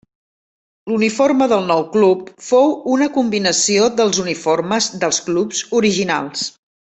L'uniforme del nou club fou una combinació dels uniformes dels clubs originals.